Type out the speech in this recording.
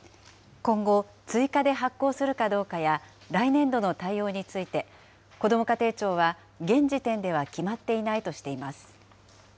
今後、追加で発行するかどうかや、来年度の対応について、こども家庭庁は、現時点では決まっていないとしています。